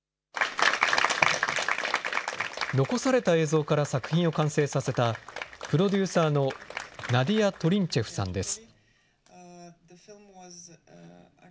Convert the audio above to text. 残された映像から作品を完成させた、プロデューサーのナディア・トリンチェフさんです。